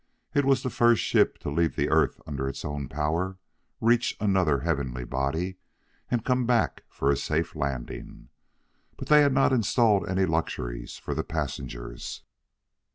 It was the first ship to leave the Earth under its own power, reach another heavenly body, and come back for a safe landing. But they had not installed any luxuries for the passengers.